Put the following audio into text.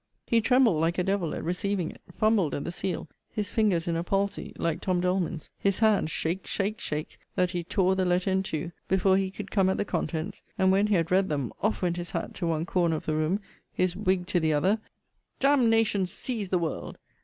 He trembled like a devil at receiving it: fumbled at the seal, his fingers in a palsy, like Tom. Doleman's; his hand shake, shake, shake, that he tore the letter in two, before he could come at the contents: and, when he had read them, off went his hat to one corner of the room, his wig to the other D n n seize the world!